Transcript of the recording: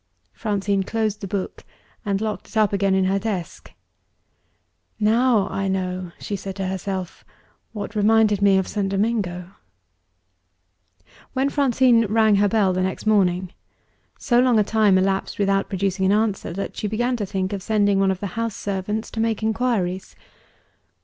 Francine closed the book, and locked it up again in her desk. "Now I know," she said to herself, "what reminded me of St. Domingo." When Francine rang her bell the next morning, so long a time elapsed without producing an answer that she began to think of sending one of the house servants to make inquiries.